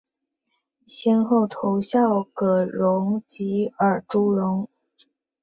先后投效葛荣及尔朱荣。